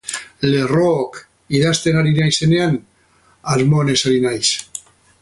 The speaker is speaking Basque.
Lerrook idazten ari naizenean, asmo onez ari naiz.